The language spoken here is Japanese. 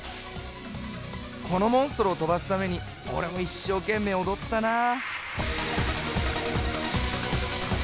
このモンストロを飛ばすために俺も一生懸命踊ったなぁ。